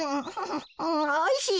おいしい。